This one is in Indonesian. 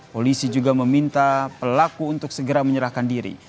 polisi juga meminta pelaku untuk segera menyerahkan diri